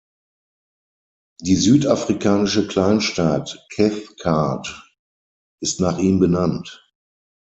Die südafrikanische Kleinstadt Cathcart ist nach ihm benannt.